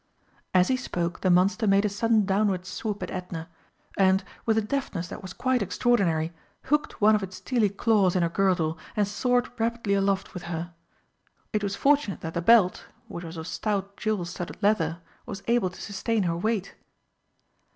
As he spoke the monster made a sudden downward swoop at Edna, and, with a deftness that was quite extraordinary, hooked one of its steely claws in her girdle and soared rapidly aloft with her. It was fortunate that the belt, which was of stout jewel studded leather, was able to sustain her weight.